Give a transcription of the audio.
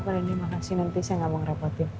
padahal ini makasih nanti saya gak mau ngerepotin